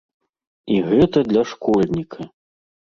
І гэта для школьніка!